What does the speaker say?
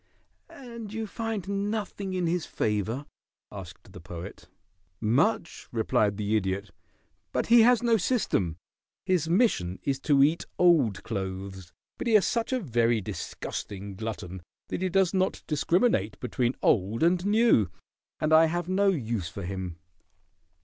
"And you find nothing in his favor?" asked the Poet. "Much," replied the Idiot, "but he has no system. His mission is to eat old clothes, but he is such a very disgusting glutton that he does not discriminate between old and new, and I have no use for him.